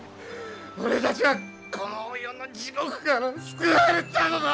俺たちはこの世の地獄から救われたのだ！